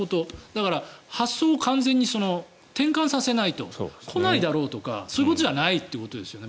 だから、発想を完全に転換させないと来ないだろうとかそういうことじゃないということですよね。